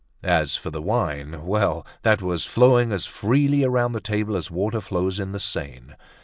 As for the wine, well, that was flowing as freely around the table as water flows in the Seine.